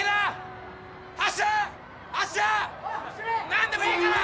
何でもいいから！